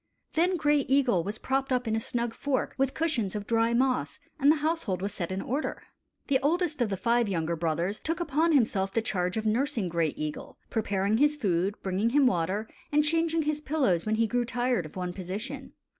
Then Gray Eagle was propped up in a snug fork with cushions of dry moss, and the household was set in order. The oldest of the five younger brothers took upon himself the charge of nursing Gray Eagle, preparing his food, bringing him water, and changing his pillows when he grew tired of one position.